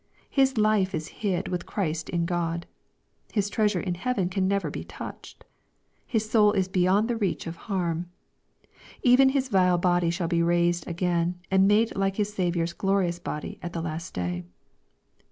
His life is hid with Christ in God His treasure in heaven can never be touched. His soul is beyond the reach of harm. Even his vile body shall be raised again, and made like his Saviour's glorious body at the last day.